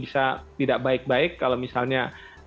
ya baik baik kalau misalnya